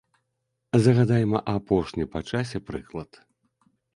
Згадайма апошні па часе прыклад.